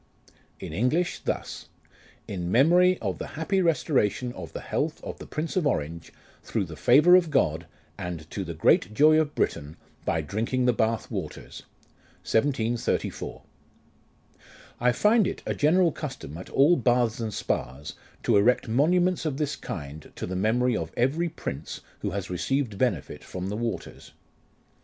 In English thus :" In memory of the happy restoration of the health of the Prince of Orange, through the favour of God, and to the great joy of Britain, by drinking the Bath waters. 1734." I find it a general custom at all baths and spas, to erect monuments of this kind to the memory of every prince who has received benefit from the waters.